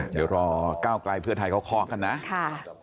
เดี๋ยวรอก้าวไกลเพื่อไทยเขาเคาะกันนะ